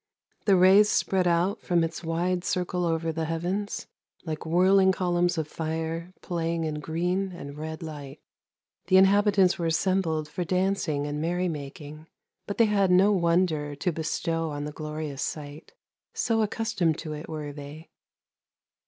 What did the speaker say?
The rays spread out from its wide circle over the heavens like whirling columns of fire playing in green and red light. The inhabitants were assembled for dancing and merry making, but they had no wonder to bestow on the glorious sight, so accustomed to it were they.